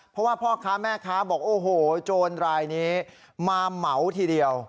เพราะว่าพ่อค้าแม่ค้าบอกโอ้โหโจรรายนี้มาเหมาทีเดียว